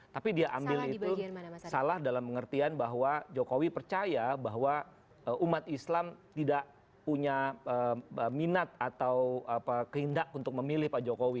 tapi dia ambil itu salah dalam pengertian bahwa jokowi percaya bahwa umat islam tidak punya minat atau kehendak untuk memilih pak jokowi